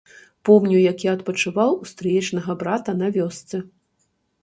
Помню, як адпачываў у стрыечнага брата на вёсцы.